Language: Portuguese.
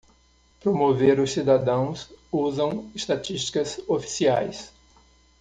Promover os cidadãos usam estatísticas oficiais.